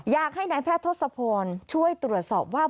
อยากให้นายแพทย์ทศพรช่วยตรวจสอบว่า